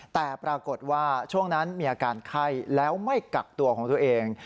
แต่ปรากฏว่าช่วงนั้นมีอาการไข้แล้วไม่กักตัวของตัวเอง